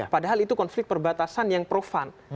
padahal itu konflik perbatasan yang profan